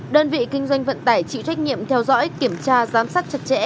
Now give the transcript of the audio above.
đơn vị kinh doanh vận tải chịu trách nhiệm theo dõi kiểm tra giám sát chặt chẽ